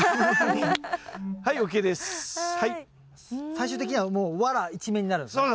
最終的にはもうワラ一面になるんですよね。